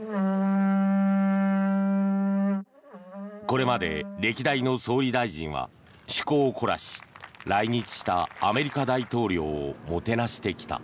これまで歴代の総理大臣は趣向を凝らし来日したアメリカ大統領をもてなしてきた。